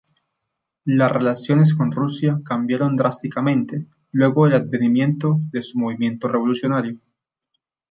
Las relaciones con Rusia cambiaron drásticamente luego del advenimiento de su movimiento revolucionario.